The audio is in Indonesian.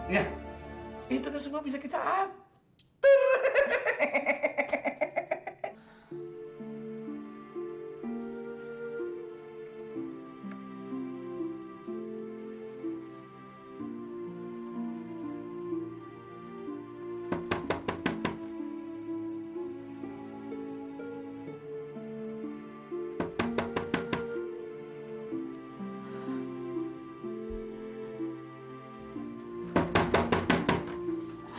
ya itu kan semua bisa kita atur